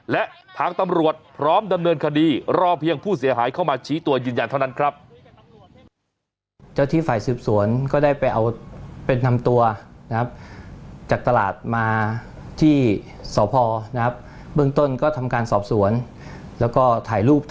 และทางตำรวจพร้อมดำเนินคดีรอเพียงผู้เสียหายเข้ามาชี้ตัวยืนยันเท่านั้นครับ